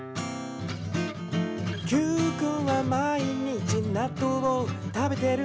「Ｑくんは毎日なっとうを食べてる」